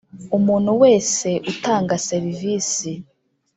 Umuntu wese utanga serivisi